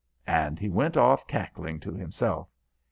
And he went off cackling to himself.